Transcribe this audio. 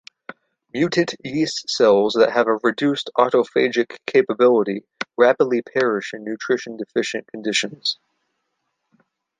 Mutant yeast cells that have a reduced autophagic capability rapidly perish in nutrition-deficient conditions.